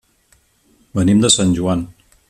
Venim de Sant Joan.